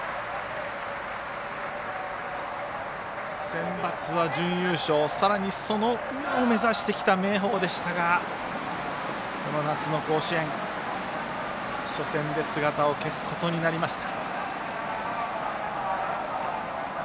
センバツは準優勝さらに、その上を目指してきた明豊でしたが、この夏の甲子園初戦で姿を消すことになりました。